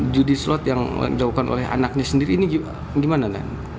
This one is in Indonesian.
judi slot yang dilakukan oleh anaknya sendiri ini gimana kan